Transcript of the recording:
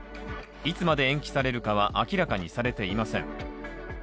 いつまで延期されるかは明らかにされていません。